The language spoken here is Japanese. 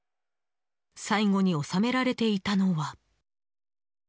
最後に収められていたのは。